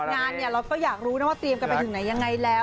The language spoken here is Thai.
งานเนี่ยเราก็อยากรู้นะว่าเตรียมกันไปถึงไหนยังไงแล้ว